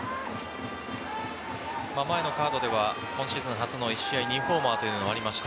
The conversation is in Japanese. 前のカードでは今シーズン初の１試合２ホーマーというのがありました。